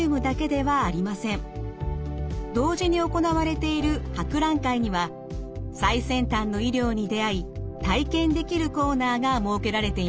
同時に行われている博覧会には最先端の医療に出会い体験できるコーナーが設けられています。